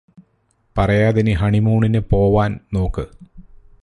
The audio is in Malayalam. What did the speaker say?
പറയാതിനി ഹണിമൂണിന് പോവാൻ നോക്ക്